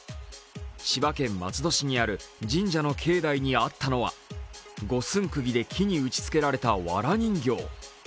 千葉県松戸市にある神社の境内にあったのは五寸釘で木に打ちつけられたわら人形。